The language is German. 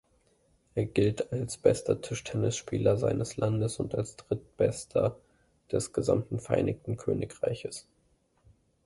Er gilt als bester Tischtennisspieler seines Landes und als drittbester des gesamten Vereinigten Königreichs.